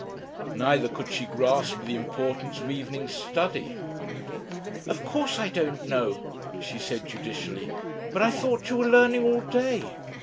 Neither could she grasp the importance of evening study. "Of course I don't know," she said judicially; "but I thought you were learning all day."